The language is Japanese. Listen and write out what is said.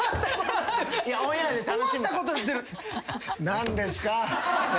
何ですか？